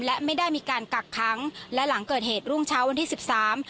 และไม่ได้มีการกักค้างและหลังเกิดเหตุรุ่งเช้าวันที่สิบสาม